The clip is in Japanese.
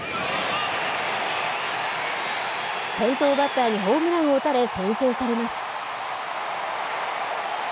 先頭バッターにホームランを打たれ先制されます。